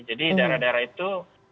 jadi daerah daerah itu